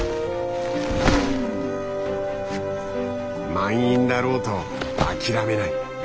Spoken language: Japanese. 満員だろうと諦めない。